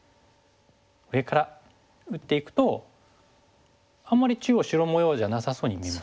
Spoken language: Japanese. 上から打っていくとあんまり中央白模様じゃなさそうに見えません？